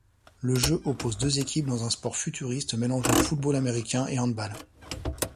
Le jeu oppose deux équipes dans un sport futuriste mélangeant football américain et handball.